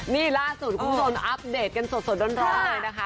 นี่ล่าสุดคุณผู้ชมอัปเดตกันสดร้อนเลยนะคะ